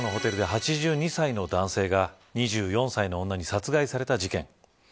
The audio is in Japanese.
続いては先月、池袋のホテルで８２歳の男性が２４歳の女に殺害された事件。